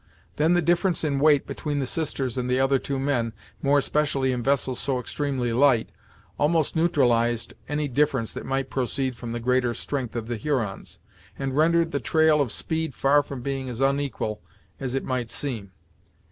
Then the difference in weight between the sisters and the other two men, more especially in vessels so extremely light, almost neutralized any difference that might proceed from the greater strength of the Hurons, and rendered the trial of speed far from being as unequal as it might seem.